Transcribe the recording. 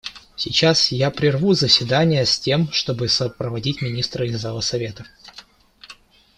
Сейчас я прерву заседание, с тем чтобы сопроводить министра из зала Совета.